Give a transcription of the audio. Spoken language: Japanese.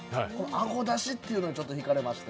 あごだしっていうのにひかれまして。